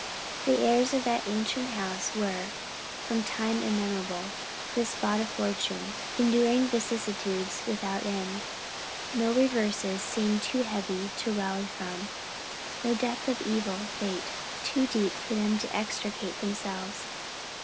The heirs of that ancient house were, from time immemorial, the sport of fortune, enduring vicissitudes without end. No reverses seemed ever too heavy to rally from; no depth of evil fate too deep for them to extricate themselves.